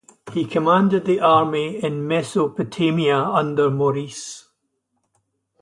He commanded the army in Mesopotamia under Maurice.